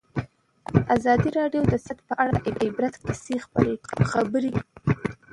ازادي راډیو د سیاست په اړه د عبرت کیسې خبر کړي.